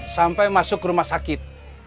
sampai masuk rumah sakit